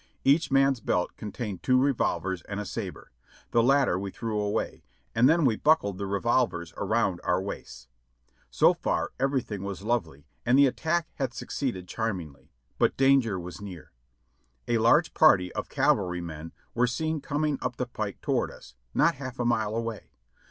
Each man's belt contained two revolvers and a sabre; the latter we threw away, and then we buckled the revolvers around our waists. So far everything was lovely and the attack had suc ceeded charmingly, but danger was near. A large party of cav alrymen were seen coming up the pike toward us, not half a mile away.